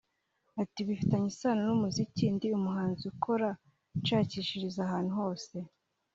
Ati “Bifitanye isano n’umuziki […] Ndi umuhanzi ukora nshakishiriza ahantu hose